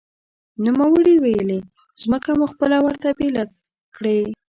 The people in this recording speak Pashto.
نوموړي ویلي، ځمکه مو خپله ورته بېله کړې